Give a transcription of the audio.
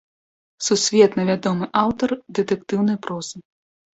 Сусветна вядомы аўтар дэтэктыўнай прозы.